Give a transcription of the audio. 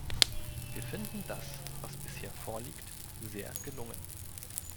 Wir finden das, was bisher vorliegt, sehr gelungen.